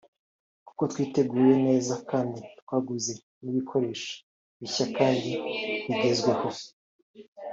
kuko twiteguye neza kandi twaguze n’ibikoresho bishya kandi bigezweho